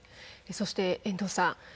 そして、遠藤さん。